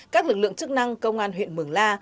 các lực lượng chức năng công an huyện mường la